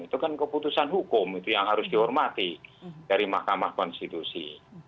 itu kan keputusan hukum itu yang harus dihormati dari mahkamah konstitusi